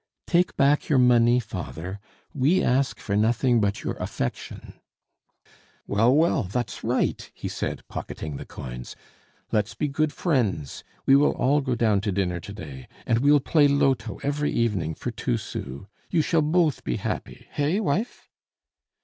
"Take back your money, father; we ask for nothing but your affection." "Well, well, that's right!" he said, pocketing the coins; "let's be good friends! We will all go down to dinner to day, and we'll play loto every evening for two sous. You shall both be happy. Hey, wife?"